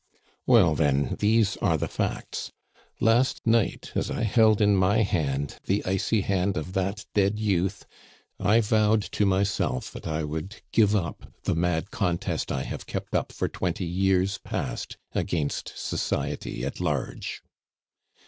"Well, then, these are the facts. Last night, as I held in my hand the icy hand of that dead youth, I vowed to myself that I would give up the mad contest I have kept up for twenty years past against society at large.